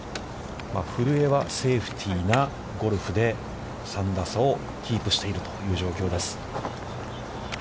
古江はセーフティーなゴルフで３打差をキープしているという状況です。